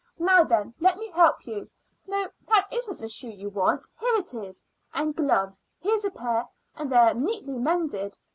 Now then, let me help you. No, that isn't the shoe you want; here it is. And gloves here's a pair, and they're neatly mended.